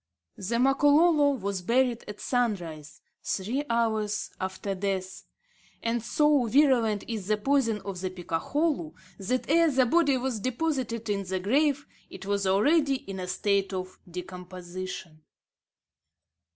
The Makololo was buried at sunrise, three hours after death; and so virulent is the poison of the picakholu that, ere the body was deposited in the grave, it was already in a state of decomposition!